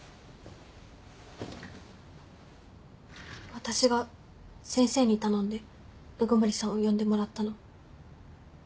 私が先生に頼んで鵜久森さんを呼んでもらったの。